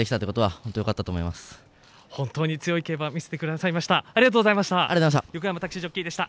本当に強い競馬を見せてくださいました。